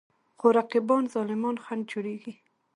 خو رقیبان ظالمان خنډ جوړېږي.